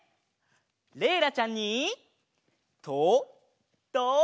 れいらちゃんにとどけ！